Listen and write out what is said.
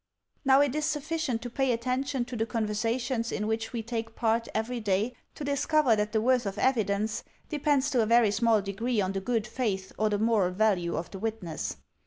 Now, it is sufficient to pay attention to the conversations in which we take part every day to discover that the worth of evidence depends to a very small degree on the good faith or the moral value of the witness.